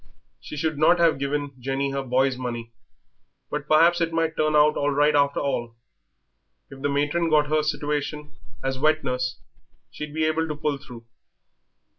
She should not have given Jenny her boy's money.... But perhaps it might turn out all right after all. If the matron got her a situation as wet nurse she'd be able to pull through.